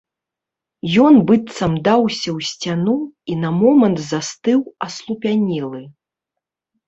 Ён быццам даўся ў сцяну і на момант застыў аслупянелы.